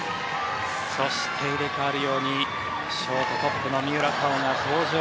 そして、入れ替わるようにショートトップの三浦佳生が登場。